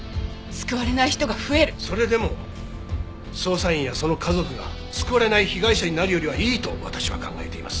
それでも捜査員やその家族が救われない被害者になるよりはいいと私は考えています。